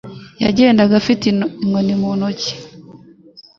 Yagendaga afite inkoni mu ntoki.